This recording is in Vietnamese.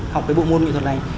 học cái bộ môn nghệ thuật này